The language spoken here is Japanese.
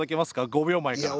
５秒前から。